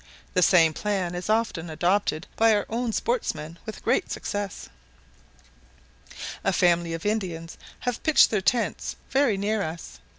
The same plan is often adopted by our own sportsmen with great success. A family of Indians have pitched their tents very near us.